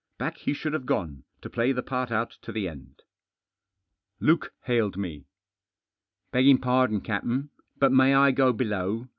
Back he should have gone, to play the part otit td the end. Luke hailed me. "Beggift' pardon, captain, but may I go below?